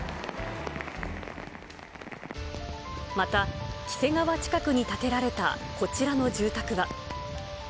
また、黄瀬川近くに建てられたこちらの住宅は。